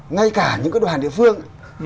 ngay cả những cái đoàn địa phương